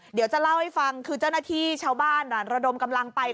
เดี๋ยวจะเล่าให้ฟังคือเจ้าหน้าที่ชาวบ้านระดมกำลังไป